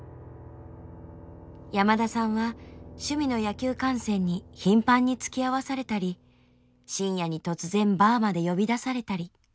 山田さんは趣味の野球観戦に頻繁につきあわされたり深夜に突然バーまで呼び出されたり。